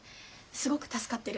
すごく助かってる。